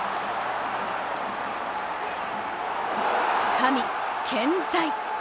神、健在！